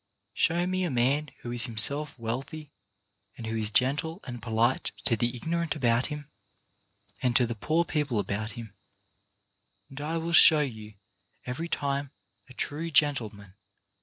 Show me a man who is himself wealthy, and who is gentle i 4 4 CHARACTER BUILDING and polite to the ignorant about him, and to the poor people about him, and I will show you every time a true gentleman.